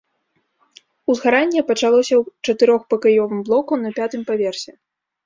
Узгаранне пачалося ў чатырохпакаёвым блоку на пятым паверсе.